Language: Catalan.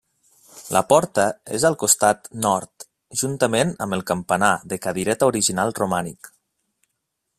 La porta és al costat nord juntament amb el campanar de cadireta original romànic.